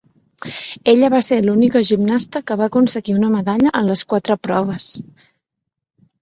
Ella va ser l'única gimnasta que va aconseguir una medalla en les quatre proves.